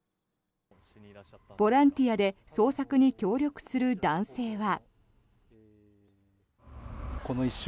ボランティアで捜索に協力する男性は。